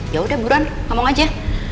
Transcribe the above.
ya udah buruan ngomong aja